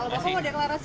kapan pak deklarasi